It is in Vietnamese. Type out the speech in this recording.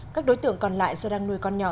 các đối tượng còn lại do đang nuôi con nhỏ